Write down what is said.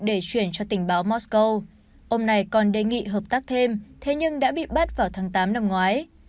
để chuyển cho tình báo mosco ông này còn đề nghị hợp tác thêm thế nhưng đã bị bắt vào tháng tám năm ngoái